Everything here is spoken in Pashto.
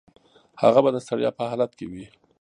هغه به د ستړیا په حالت کې وي.